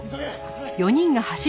はい。